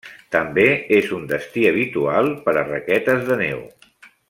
També és un destí habitual per a raquetes de neu.